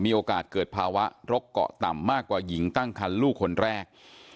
มีโอกาสเกิดภาวะโรคเกาะต่ำมากกว่าหญิงตั้งคันลูกคนแรก